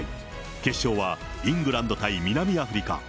決勝はイングランド対南アフリカ。